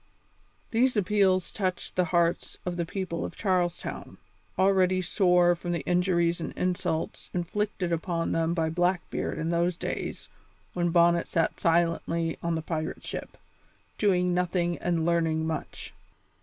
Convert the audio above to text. These appeals touched the hearts of the people of Charles Town, already sore from the injuries and insults inflicted upon them by Blackbeard in those days when Bonnet sat silently on the pirate ship, doing nothing and learning much.